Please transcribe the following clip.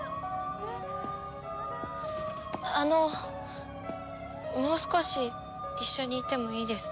あのもう少し一緒にいてもいいですか？